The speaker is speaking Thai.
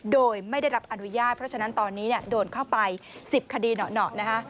โดยไม่ได้รับอนุญาตเพราะฉะนั้นตอนนี้โดนเข้าไป๑๐คดีหนานะคะ